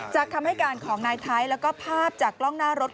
คำให้การของนายไทยแล้วก็ภาพจากกล้องหน้ารถ